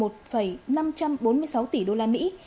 năm trăm bốn mươi sáu tỷ đô la mỹ